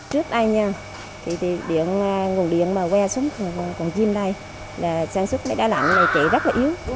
trước đây nguồn điện mà que xuống cồn chim đây sản xuất đá lạnh này chạy rất là yếu